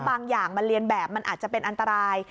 บางอย่างมันเรียนแบบมันอาจจะเป็นอันตราย